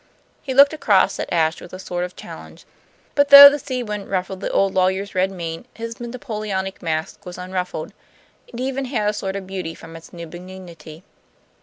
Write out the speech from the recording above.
He looked across at Ashe with a sort of challenge, but though the sea wind ruffled the old lawyer's red mane, his Napoleonic mask was unruffled; it even had a sort of beauty from its new benignity.